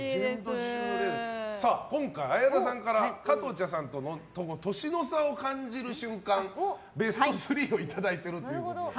今回綾菜さんから加藤茶さんとの年の差を感じる瞬間ベスト３をいただいているということで。